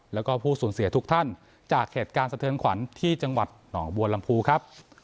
แล้วก็ผู้สูญเสียทุกท่านจากเหตุการณ์สะเทินขวัญที่จังหวัดหนองบัวลำพูครับ